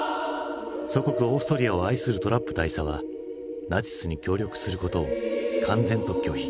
祖国オーストリアを愛するトラップ大佐はナチスに協力することを敢然と拒否。